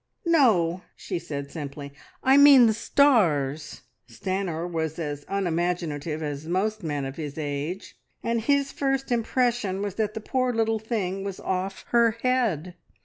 "No," she said simply, "I mean the stars." Stanor was as unimaginative as most men of his age, and his first impression was that the poor little thing was off her head.